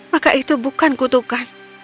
maka itu bukan kutukan